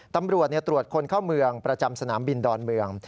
ตำรวจตรวจคนเข้าเมืองประจำสนามบินดอนเมือง